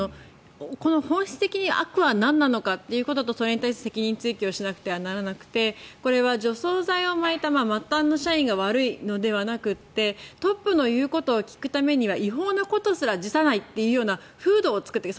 この本質的に悪はなんなのかということとそれに対しての責任追及をしなくてはならなくてこれは除草剤をまいた末端の社員が悪いのではなくてトップの言うことを聞くためには違法なことすら辞さないという風土を使っていた。